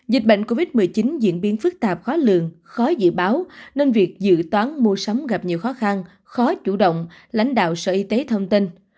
dịch bệnh covid một mươi chín diễn biến phức tạp khó lường khó dự báo nên việc dự toán mua sắm gặp nhiều khó khăn khó chủ động lãnh đạo sở y tế thông tin